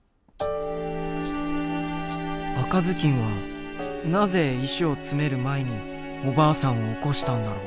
赤ずきんはなぜ石を詰める前におばあさんを起こしたんだろう。